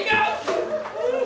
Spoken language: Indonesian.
makan sih kau